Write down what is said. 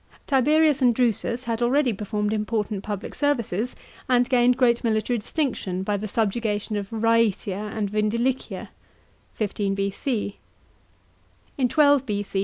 Tiberius and Drusus had already performed important public services, and gained great military distinction by the subjugation of Raetia and Vindelicia (15 B.C.). * In 12 B.C.